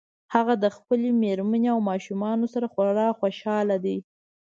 هغه د خپلې مېرمنې او ماشومانو سره خورا خوشحاله ده